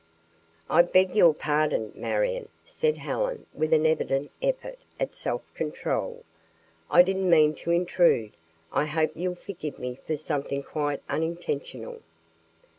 "I beg your pardon, Marion," said Helen with an evident effort at self control. "I didn't mean to intrude. I hope you'll forgive me for something quite unintentional."